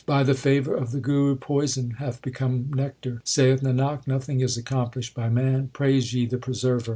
By the favour of the Guru poison hath become nectar. Saith Nanak, nothing is accomplished by man Praise ye the Preserver.